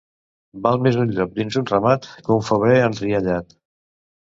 Val més un llop dins un ramat que un febrer enriallat.